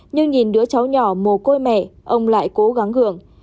nhưng nhìn đứa cháu nhỏ mồ côi mẹ ông lại cố gắng gượng